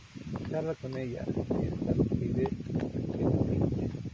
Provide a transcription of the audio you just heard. Charla con ella y esta le pide que la pinte.